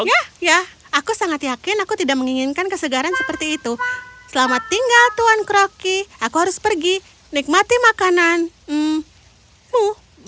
ya ya aku sangat yakin aku tidak menginginkan kesegaran seperti itu selamat tinggal tuan crocky aku harus pergi nikmati makananmu